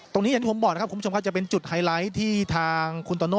อย่างที่ผมบอกนะครับคุณผู้ชมครับจะเป็นจุดไฮไลท์ที่ทางคุณโตโน่